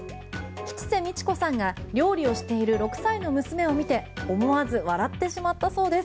吉瀬美智子さんが料理をしている６歳の娘を見て思わず笑ってしまったそうです。